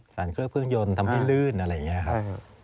เครื่องเครื่องยนต์ทำให้ลื่นอะไรอย่างนี้ครับ